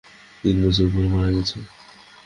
তিন বছর পর মারা গেছে।